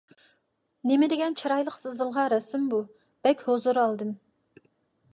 نېمىدېگەن چىرايلىق سىزىلغان رەسىم بۇ! بەك ھۇزۇر ئالدىم.